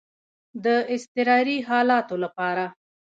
د اضطراري حالاتو لپاره.